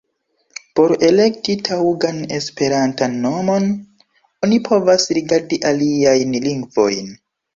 Por elekti taŭgan esperantan nomon, oni povas rigardi aliajn lingvojn.